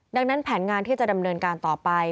ดังนั้นแผนงานที่จะดำเนินการต่อไป